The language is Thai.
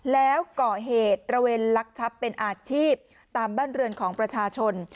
แล้วก่อเหตุระเวนลักทรัพย์เป็นอาชีพตามบ้านเรือนของประชาชน